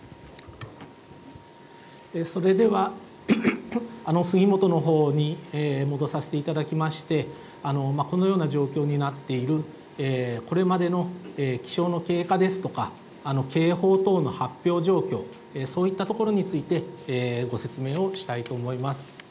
それでは、杉本のほうに戻させていただきまして、このような状況になっている、これまでの気象の経過ですとか、警報等の発表状況、そういったところについて、ご説明をしたいと思います。